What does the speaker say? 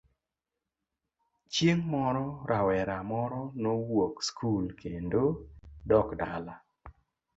Chieng' moro rawera moro nowuok skul kendo dok dala.